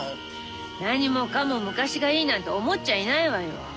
何もかも昔がいいなんて思っちゃいないわよ。